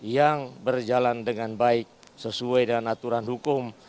yang berjalan dengan baik sesuai dengan aturan hukum